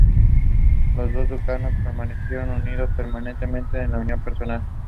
Los dos ducados permanecieron unidos permanentemente en una unión personal.